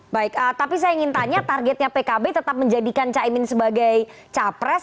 baik tapi saya ingin tanya targetnya pkb tetap menjadikan caimin sebagai capres